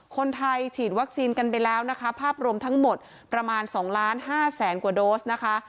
คนไทยฉีดวัคซีนกันไปแล้วนะคะภาพรวมทั้งหมดประมาณ๒ล้านห้าแสนกว่าโดสนะคะ